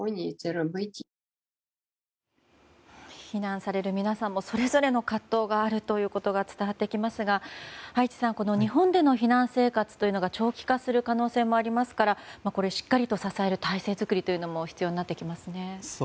避難される皆さんもそれぞれの葛藤があるということが伝わってきますが葉一さん、日本での避難生活が長期化する可能性もありますからしっかりと支える体制づくりも必要になってきますね。